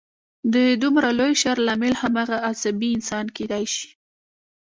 د دومره لوی شر لامل هماغه عصبي انسان کېدای شي